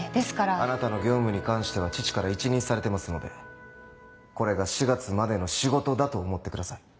あなたの業務に関しては父から一任されてますのでこれが４月までの仕事だと思ってください。